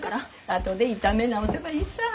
後で炒め直せばいいさぁ。